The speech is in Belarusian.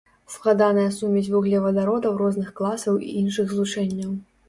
Складаная сумесь вуглевадародаў розных класаў і іншых злучэнняў.